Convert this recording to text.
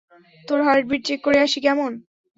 তোর heartbeat check করে আসি, কেমন?